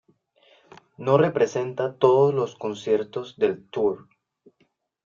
No representa todos los conciertos del tour.